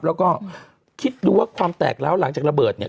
แล้วก็คิดดูว่าความแตกแล้วหลังจากระเบิดเนี่ย